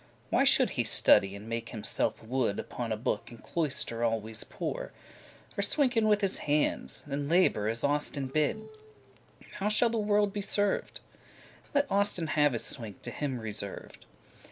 Why should he study, and make himselfe wood* *mad <17> Upon a book in cloister always pore, Or swinken* with his handes, and labour, *toil As Austin bid? how shall the world be served? Let Austin have his swink to him reserved.